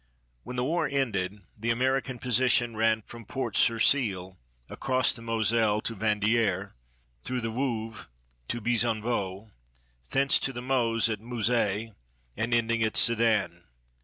When the war ended, the American position ran from Port sur Seille across the Moselle to Vandieres, through the Wœvre to Bezonvaux, thence to the Meuse at Mouzay, and ending at Sedan.